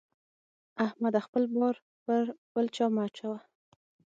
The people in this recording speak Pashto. احمده! خپل بار پر بل چا مه اچوه.